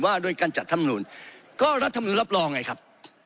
ว่าด้วยการจัดรัฐธรรมนุนก็รัฐธรรมนุรับรอง่ายครับ